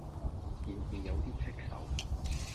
件事有啲棘手